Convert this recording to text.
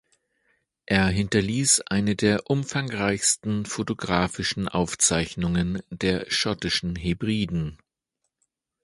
Er hinterließ eine der umfangreichsten fotografischen Aufzeichnungen der schottischen Hebriden.